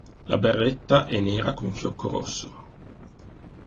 La berretta è nera con fiocco rosso.